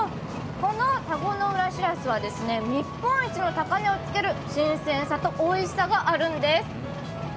この田子の浦しらすは日本一の高値をつける新鮮さとおいしさがあるんです。